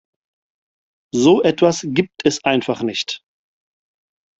So etwas gibt es einfach nicht.